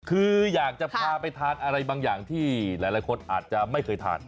คืออยากจะพาไปทานอะไรบางอย่างที่หลายคนอาจจะไม่เคยทาน